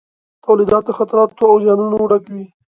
تولیدات د خطراتو او زیانونو ډک وي.